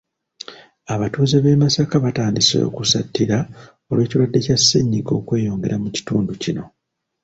Abatuuze b’e Masaka batandise okusattira olw’ekirwadde kya ssennyiga okweyongera mu kitundu kino.